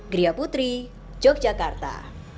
griya putri yogyakarta